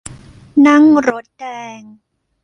นั่งรถแดง